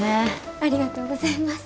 ありがとうございます。